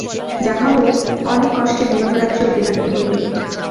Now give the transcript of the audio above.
যাহা হউক, অনেক কষ্টে বিবাহরাত্রি অতিবাহিত হইল।